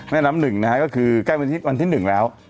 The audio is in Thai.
แม่น้ำหนึ่งนะฮะก็คือใกล้วันที่วันที่หนึ่งแล้ว